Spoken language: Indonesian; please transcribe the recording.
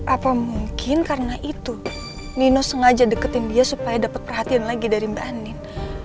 apa mungkin karena itu nino sengaja deketin dia supaya dapat perhatian lagi dari mbak anin